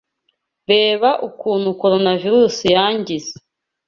Reba ukuntu Coronavirus yangize.